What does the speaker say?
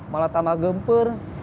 malah tambah gemper